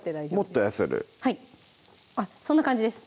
もっと寄せるあっそんな感じです